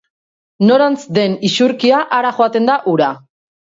Norantz den isurkia hara joaten da ura.